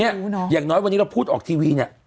อย่างน้อยวันนี้เราพูดออกทีวีเนี่ย